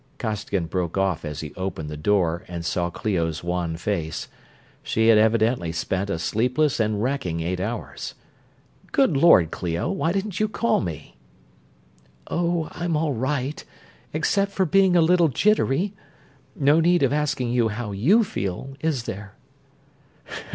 Costigan broke off as he opened the door and saw Clio's wan face. She had evidently spent a sleepless and wracking eight hours. "Good Lord, Clio, why didn't you call me?" "Oh, I'm all right, except for being a little jittery. No need of asking how you feel, is there?"